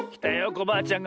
コバアちゃんが。